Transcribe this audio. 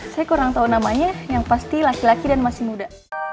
saya kurang tahu namanya yang pasti laki laki dan masih muda